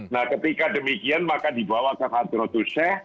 nah ketika demikian maka dibawa ke khadrotushe